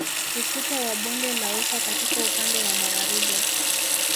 Ukuta wa bonde la ufa katika upande wa Magharibi